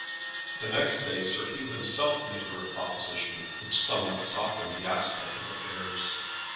The next day Sir Hugh himself made her a proposition which somewhat softened the aspect of affairs.